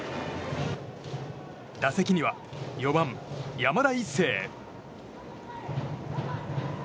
打席には４番、山田一成。